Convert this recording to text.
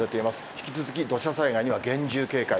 引き続き土砂災害には厳重警戒。